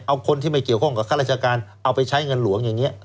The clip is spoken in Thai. เอาคนที่ไม่เกี่ยวข้องกับข้าราชการเอาไปใช้เงินหลวงอย่างนี้